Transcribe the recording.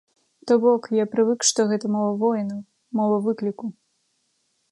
То бок, я прывык, што гэта мова воінаў, мова выкліку.